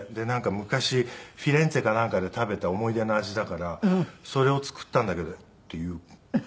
「昔フィレンツェかなんかで食べた思い出の味だからそれを作ったんだけど」って言う。